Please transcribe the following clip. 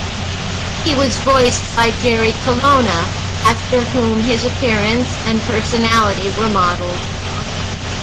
He was voiced by Jerry Colonna, after whom his appearance and personality were modelled.